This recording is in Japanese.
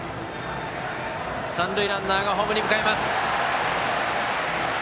三塁ランナーがホームに向かいます。